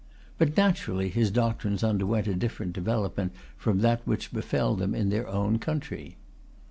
But naturally his doctrines underwent a different development from that which befel them in their own country.